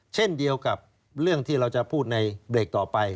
เช่นเดียวกับเรื่องที่เราจะพูดในเบรกต่อไป